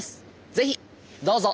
是非どうぞ。